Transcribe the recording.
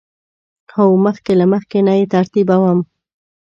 هو، مخکې له مخکی نه یی ترتیبوم